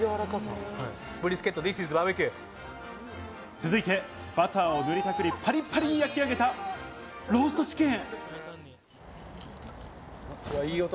続いてバターを塗りたくり、パリパリに焼き上げたローストチキン。